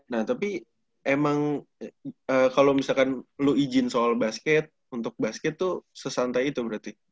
nah tapi emang kalau misalkan lo izin soal basket untuk basket tuh sesantai itu berarti